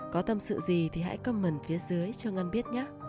có tâm sự gì thì hãy comment phía dưới cho ngân biết nhé